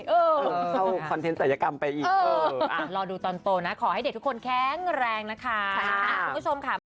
เข้าคอนเทนต์ศัลยกรรมไปอีกรอดูตอนโตนะขอให้เด็กทุกคนแข็งแรงนะคะคุณผู้ชมค่ะ